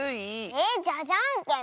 えっじゃあじゃんけん！